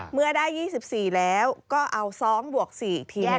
เมื่อได้๒๔แล้วก็เอา๒บวก๔เพียง